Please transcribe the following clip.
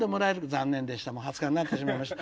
残念でした２０日になってしまいました。